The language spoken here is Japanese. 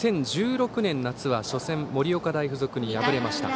２０１６年の夏は、初戦盛岡大付属に敗れました。